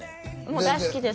もう大好きです